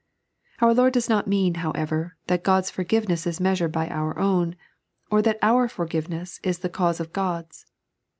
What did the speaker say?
Our Lord does not mean, however, that Qod's forgive ness is measured by our own, or that our forgiveness is the cause of Ood's.